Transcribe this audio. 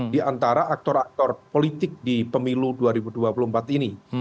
di antara aktor aktor politik di pemilu dua ribu dua puluh empat ini